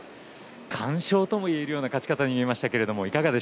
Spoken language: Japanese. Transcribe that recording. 完勝ともいえるような勝ち方に見えましたが。